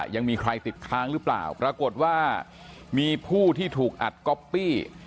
ยังมีใครติดค้างหรือเปล่าปรากฏว่ามีผู้ที่ถูกอัดก๊อปปี้